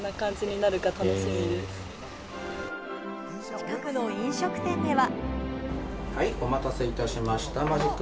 近くの飲食店では。